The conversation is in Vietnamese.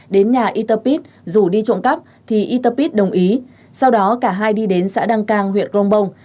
đến nhà yter pit rủ đi trộm cắp thì yter pit đồng ý sau đó cả hai đi đến xã đăng cang huyện grongbong